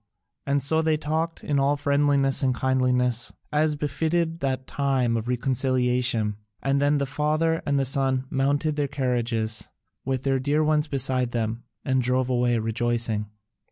And so they talked in all friendliness and kindliness, as befitted that time of reconciliation; and then the father and son mounted their carriages, with their dear ones beside them, and drove away rejoicing.